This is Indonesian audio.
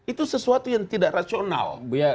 itu sesuatu yang tidak rasional